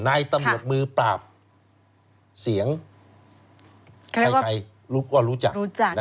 นายตำรวจมือปราบเสียงใครลุกก็รู้จัก